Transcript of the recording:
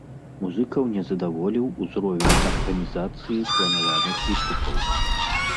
Музыкаў не задаволіў узровень арганізацыі планаваных выступаў.